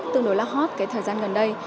tương đối là hot cái thời gian gần đây